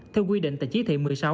theo quy định tại chí thị một mươi sáu